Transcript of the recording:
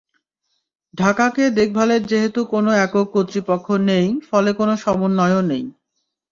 ঢাকাকে দেখভালের যেহেতু কোনো একক কর্তৃপক্ষ নেই, ফলে কোনো সমন্বয়ও নেই।